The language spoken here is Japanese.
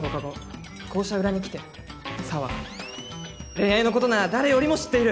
「恋愛のことなら誰よりも知っている！